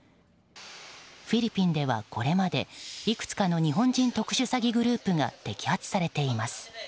フィリピンでは、これまでいくつかの日本人特殊詐欺グループが摘発されています。